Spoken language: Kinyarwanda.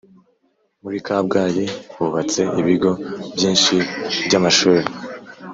muri kabgayi hubatse ibigo byinshi byamashuli